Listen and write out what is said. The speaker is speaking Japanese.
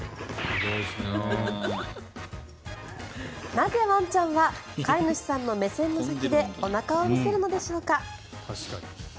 なぜ、ワンちゃんは飼い主さんの目線の先でおなかを見せるのでしょうか。